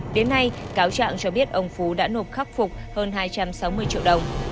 đến nay cáo trạng cho biết ông phú đã nộp khắc phục hơn hai trăm sáu mươi triệu đồng